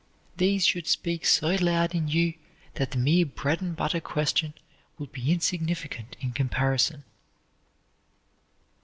These should speak so loud in you that the mere bread and butter question will be insignificant in comparison.